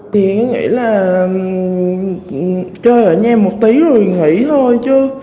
thì nghĩ là chơi ở nhà một tí rồi nghỉ thôi chứ